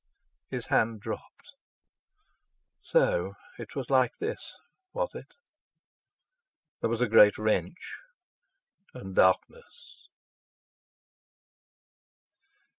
His hand dropped.... So it was like this—was it?... There was a great wrench; and darkness....